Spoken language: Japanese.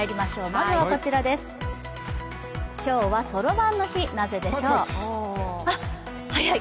まずはこちら、今日はそろばんの日、なぜでしょう？